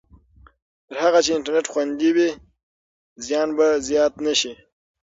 تر هغه چې انټرنېټ خوندي وي، زیان به زیات نه شي.